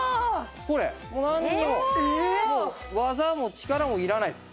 技も力もいらないです。